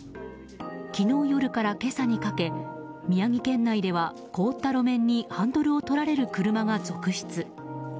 昨日夜から今朝にかけ宮城県内では凍った路面にハンドルを取られる車が続出。